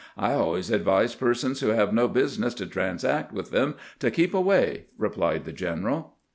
I always advise persons who have no business to transact with them to keep away," replied the general.